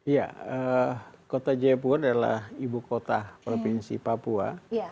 ya kota jayapura adalah ibu kota provinsi papua